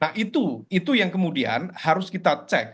nah itu yang kemudian harus kita cek